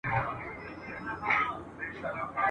د کتاب لوستل د انسان د فکر پراختيا سبب ګرځي او پوهه زياتوي !.